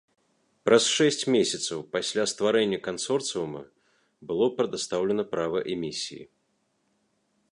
Праз шэсць месяцаў пасля стварэння кансорцыума было прадастаўлена права эмісіі.